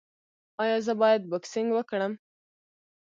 ایا زه باید بوکسینګ وکړم؟